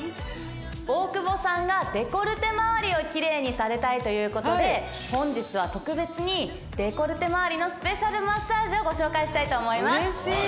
大久保さんがデコルテまわりを奇麗にされたいということで本日は特別にデコルテまわりのスペシャルマッサージをご紹介します。